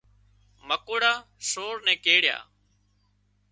مڪوڙا سور نين ڪيڙيا